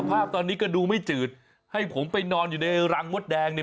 เอาเป็นคุณชนะหมักฉี่มดแดง